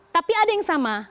tapi ada yang sama